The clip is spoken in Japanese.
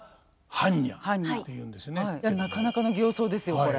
なかなかの形相ですよこれ。